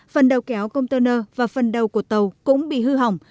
phần đầu kéo container và phần đầu của tàu cũng bị hư hỏng